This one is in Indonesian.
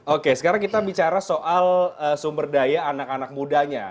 oke sekarang kita bicara soal sumber daya anak anak mudanya